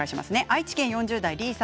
愛知県４０代の方。